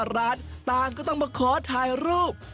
แล้วใครที่ได้มาร้านต่างก็ต้องมาขอถ่ายรูป